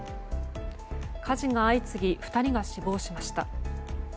火事が相次ぎ２人が死亡しました。